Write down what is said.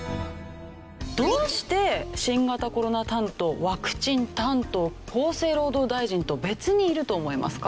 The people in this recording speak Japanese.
どうして新型コロナ担当ワクチン担当厚生労働大臣と別にいると思いますか？